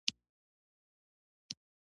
نه شم درتلای ، راته مه ګوره !